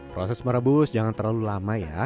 proses merebus jangan terlalu lama ya